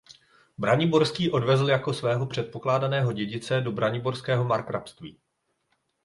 Braniborský odvezl jako svého předpokládaného dědice do Braniborského markrabství.